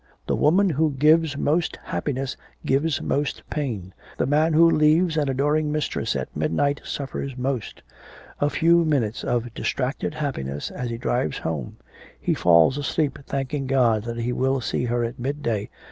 'The woman who gives most happiness gives most pain. The man who leaves an adoring mistress at midnight suffers most. A few minutes of distracted happiness as he drives home. He falls asleep thanking God that he will see her at midday.